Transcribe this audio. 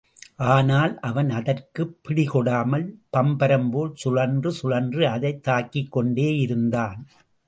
ஆனால், அவன் அதற்குப் பிடிகொடுக்காமல், பம்பரம்போல் சுழன்று சுழன்று அதைத் தாக்கிக்கொண்டேயிருந்தான்.